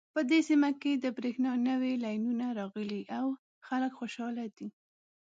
په دې سیمه کې د بریښنا نوې لینونه راغلي او خلک خوشحاله دي